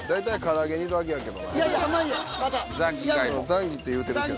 ザンギって言うてるけど。